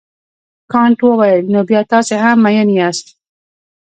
کانت وویل نو بیا تاسي هم مین یاست.